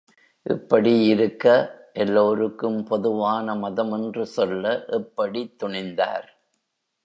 இப்படி இருக்க, எல்லோருக்கும் பொதுவான மதம் என்று சொல்ல எப்படித் துணிந்தார்?